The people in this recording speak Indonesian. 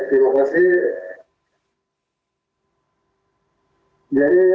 itu sangat penting